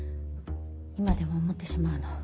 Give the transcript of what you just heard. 今でも思ってしまうの。